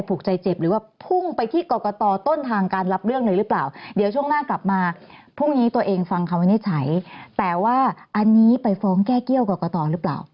พรุ่งนี้ตัวเองฟังเขาไม่ได้ใช้แต่ว่าอันนี้ไปฟ้องแก้เกี้ยวกับกรกตหรือเปล่า